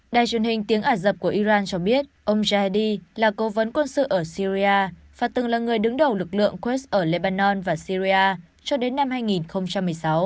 đài truyền hình tiếng ả rập của iran cho biết ông jaidi là cố vấn quân sự ở syria và từng là người đứng đầu lực lượng krez ở leban và syria cho đến năm hai nghìn một mươi sáu